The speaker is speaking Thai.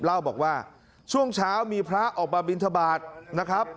เล่าบอกว่าช่วงเช้ามีพระออกมาบินทบาทนะครับ